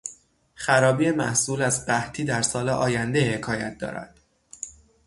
خرابی محصول از قحطی در سال آینده حکایت دارد.